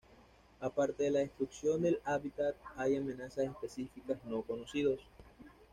Aparte de la destrucción del hábitat, hay amenazas específicas no conocidos.